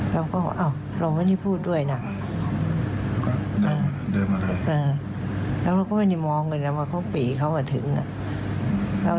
เราก็เอาลงไปที่พูดด้วยนะ